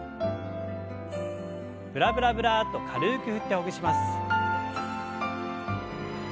ブラブラブラッと軽く振ってほぐします。